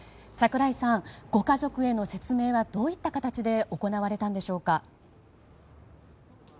櫻井さん、ご家族への説明はどういった形で行われたのでしょうか。